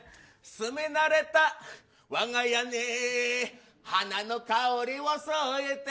住み慣れたわが家に花の香りを添えて。